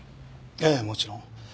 ええもちろん。